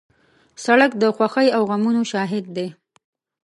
سړک د خوښۍ او غمونو شاهد دی.